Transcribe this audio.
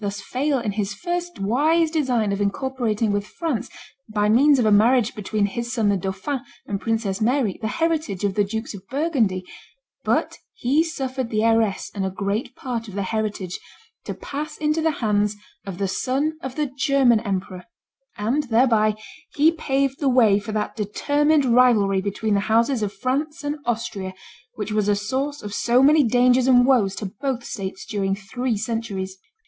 thus fail in his first wise design of incorporating with France, by means of a marriage between his son the dauphin and Princess Mary, the heritage of the Dukes of Burgundy, but he suffered the heiress and a great part of the heritage to pass into the hands of the son of the German emperor; and thereby he paved the way for that determined rivalry between the houses of France and Austria, which was a source of so many dangers and woes to both states during three centuries.